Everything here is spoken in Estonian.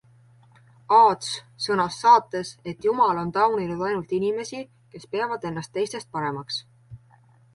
aats sõnas saates, et Jumal on tauninud ainult inimesi, kes peavad ennast teistest paremaks.